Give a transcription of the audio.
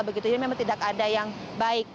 begitu jadi memang tidak ada yang baik